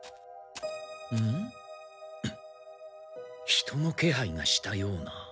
人のけはいがしたような。